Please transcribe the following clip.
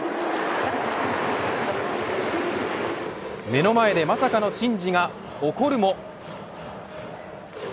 目の前でまさかの珍事が起こるも。